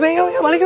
yuk yuk balik yuk